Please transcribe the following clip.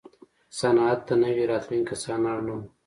صنعت ته نوي راتلونکي کسان اړ نه وو.